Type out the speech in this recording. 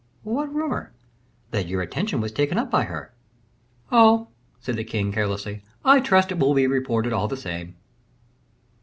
"What rumor?" "That your attention was taken up by her." "Oh!" said the king, carelessly, "I trust it will be reported all the same."